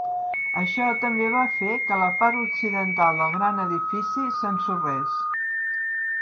Això també va fer que la part occidental del gran edifici s'ensorrés.